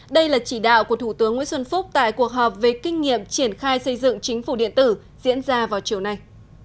đây là chỉ đạo của thủ tướng nguyễn xuân phúc tại cuộc họp về kinh nghiệm triển khai xây dựng chính phủ điện tử diễn ra vào chiều nay